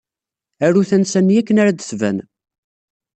Aru tansa-nni akken ara d-tban.